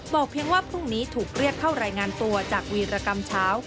เพียงว่าพรุ่งนี้ถูกเรียกเข้ารายงานตัวจากวีรกรรมเช้า